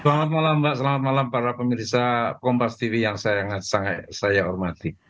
selamat malam mbak selamat malam para pemirsa kompas tv yang saya hormati